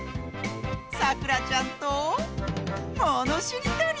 さくらちゃんとものしりとり！